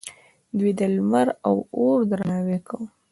دوی د لمر او اور درناوی کاوه